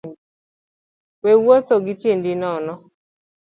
We wuotho gi tiendi nono